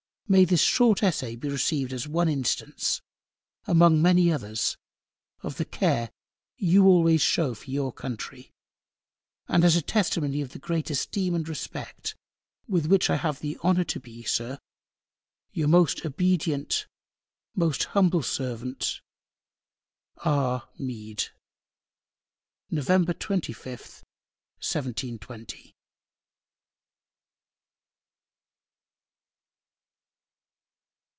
May this short Essay be received as one Instance, among many others, of the Care, you always shew for Your Country; and as a Testimony of the great Esteem and Respect, with which I have the Honour to be, SIR, Your most obedient, Most humble Servant, Novemb. 25. 1720. R. MEAD.